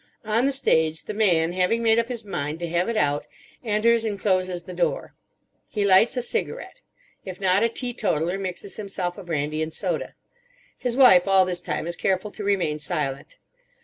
On the stage the man, having made up his mind—to have it out, enters and closes the door. He lights a cigarette; if not a teetotaller mixes himself a brandy and soda. His wife all this time is careful to remain silent.